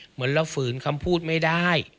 เหมือนเราฝืนคำพูดไม่ได้